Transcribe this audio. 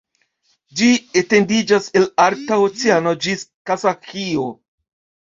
Ĝi etendiĝas el Arkta Oceano ĝis Kazaĥio.